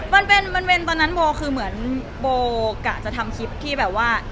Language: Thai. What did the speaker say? มันเป็นตอนนั้นโบคือเหมือนโบกะจะทำคลิปที่แบบว่า